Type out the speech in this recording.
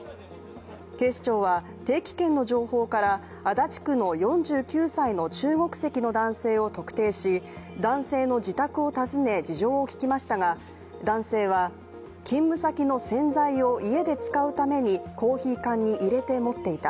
警視庁は定期券の情報から足立区の４９歳の中国籍の男性を特定し男性の自宅を訪ね、事情を聞きましたが男性は、勤務先の洗剤を家で使うためにコーヒー缶に入れて持っていた。